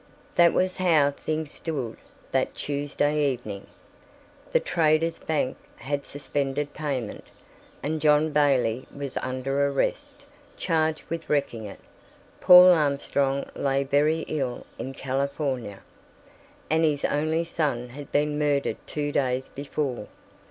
That was how things stood that Tuesday evening. The Traders' Bank had suspended payment, and John Bailey was under arrest, charged with wrecking it; Paul Armstrong lay very ill in California, and his only son had been murdered two days before.